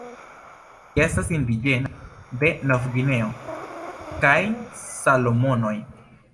Ĝi estas indiĝena de Novgvineo kaj Salomonoj.